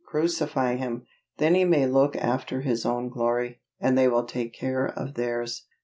crucify Him!" then He may look after His own glory, and they will take care of theirs.